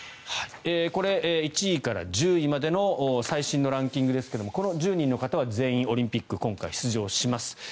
これ、１位から１０位までの最新のランキングですけどこの１０人の方は全員今回オリンピック出場します。